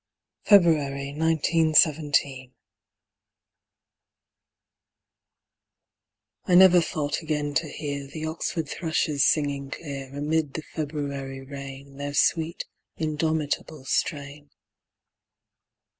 THE OXFORD THRUSHES FEBRUARY, 1917 I never thought again to hear The Oxford thrushes singing clear, Amid the February rain, Their sweet, indomitable strain.